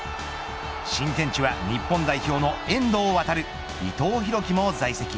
新天地は日本代表の遠藤航伊藤洋輝も在籍。